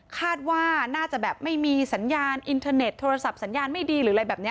คาดว่าน่าจะแบบไม่มีสัญญาณอินเทอร์เน็ตโทรศัพท์สัญญาณไม่ดีหรืออะไรแบบนี้